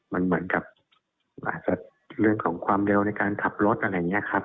มันเหมือนกับอาจจะเรื่องของความเร็วในการขับรถอะไรอย่างนี้ครับ